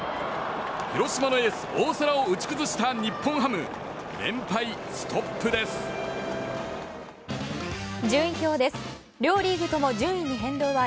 広島のエース、大瀬良を打ち崩した日本ハム。連敗ストップです。